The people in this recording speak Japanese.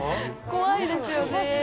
怖いですよね。